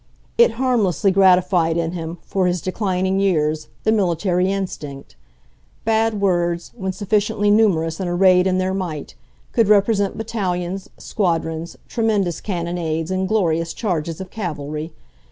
It harmlessly gratified in him, for his declining years, the military instinct; bad words, when sufficiently numerous and arrayed in their might, could represent battalions, squadrons, tremendous cannonades and glorious charges of cavalry.